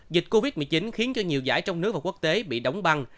dịch covid một mươi chín khiến cho nhiều giải trong nước và quốc tế bị đóng băng